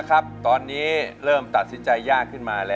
กับเพลงที่แล้วน่ะเป็นไหนที่ยากกว่ากัน